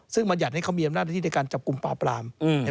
ซึ่งมันอยากให้เขามีอำนาจในการจับกลุ่มปราบปราม